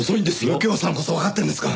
右京さんこそわかってるんですか！？